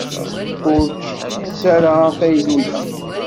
Ur ttekkes ara afaylu-ya.